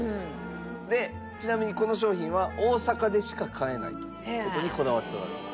でちなみにこの商品は大阪でしか買えないという事にこだわっておられます。